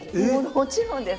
もちろんです。